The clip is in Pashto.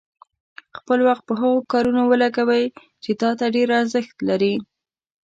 خپل وخت په هغه کارونو ولګوئ چې تا ته ډېر ارزښت لري.